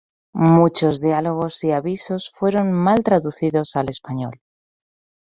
Muchos diálogos y avisos fueron mal traducidos al español.